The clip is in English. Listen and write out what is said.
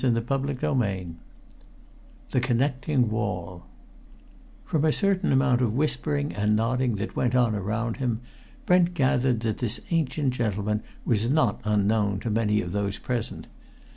CHAPTER XXIII THE CONNECTING WALL From a certain amount of whispering and nodding that went on around him, Brent gathered that this ancient gentleman was not unknown to many of those present.